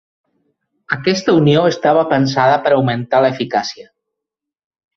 Aquesta unió estava pensada per augmentar l'eficàcia.